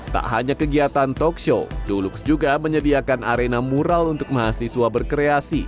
tak hanya kegiatan talk show dulux juga menyediakan arena mural untuk mahasiswa berkreasi